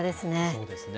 そうですね。